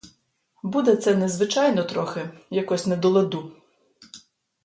Буде це незвичайно трохи, якось не до ладу.